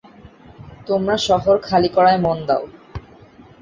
তোমরা শহর খালি করায় মন দাও।